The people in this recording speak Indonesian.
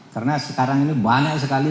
karena sekarang ini banyak sekali